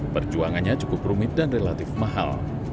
perjuangannya cukup rumit dan relatif mahal